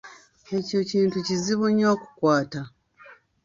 Ekyo ekintu kizibu nnyo okukwata.